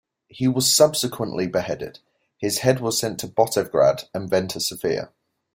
He was subsequently beheaded; his head was sent to Botevgrad and then to Sofia.